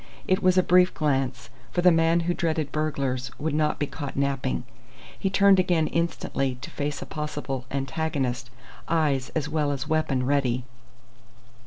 It was a brief glance, for the man who dreaded burglars would not be caught napping. He turned again instantly to face a possible antagonist, eyes as well as weapon ready.